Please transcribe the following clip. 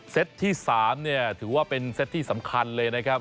ที่๓ถือว่าเป็นเซตที่สำคัญเลยนะครับ